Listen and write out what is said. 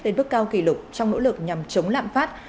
lên bước cao kỷ lục trong nỗ lực nhằm chống lạm phát